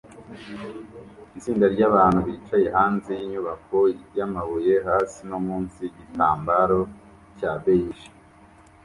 Itsinda ryabantu bicaye hanze yinyubako yamabuye hasi no munsi yigitambaro cya beige